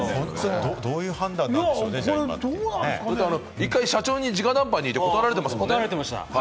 １回、社長に直談判して、怒られてますもんね。